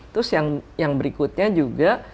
terus yang berikutnya juga